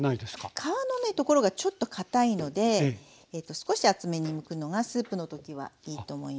皮のところがちょっとかたいので少し厚めにむくのがスープの時はいいと思います。